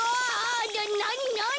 ななになに？